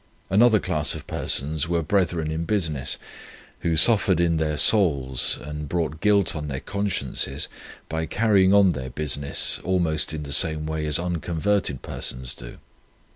"Another class of persons were brethren in business, who suffered in their souls, and brought guilt on their consciences, by carrying on their business, almost in the same way as unconverted persons do.